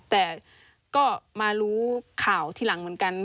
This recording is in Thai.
แต่ก็มารู้ข่าวทีหลังเหมือนกัน